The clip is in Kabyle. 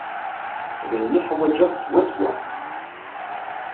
D ayen ay uḥwaǧeɣ swaswa.